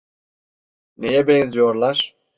Neye benziyorlar?